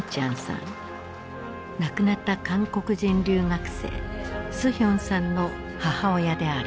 亡くなった韓国人留学生スヒョンさんの母親である。